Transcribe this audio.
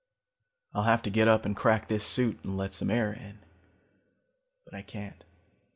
"I'll have to get up and crack this suit and let some air in. But I can't.